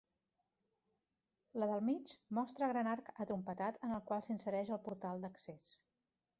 La del mig, mostra gran arc atrompetat en el qual s'insereix el portal d'accés.